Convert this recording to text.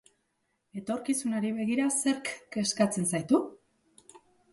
Etorkizunari begira, zerk kezkatzen zaitu?